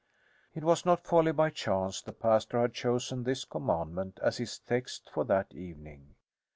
It was not wholly by chance the pastor had chosen this commandment as his text for that evening.